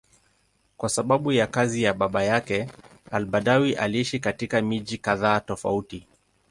Kwa sababu ya kazi ya baba yake, al-Badawi aliishi katika miji kadhaa tofauti.